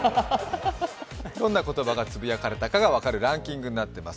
どんな言葉がつぶやかれたが分かるランキングになっています。